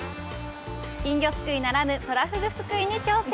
金魚すくいならぬトラフグすくいに挑戦。